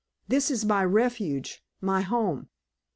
This is my refuge, my home."